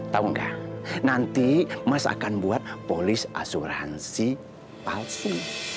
tau gak nanti mas akan buat polis asuransi palsu